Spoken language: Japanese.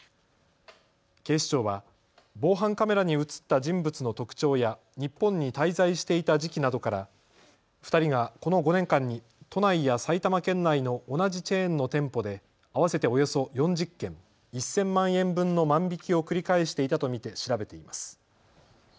警視庁は防犯カメラに写った人物の特徴や日本に滞在していた時期などから２人がこの５年間に都内や埼玉県内の同じチェーンの店舗で合わせておよそ４０件、１０００万円分の万引きを繰り返していたと見て調べています。